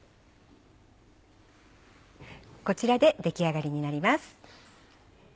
こちらで出来上がりになります。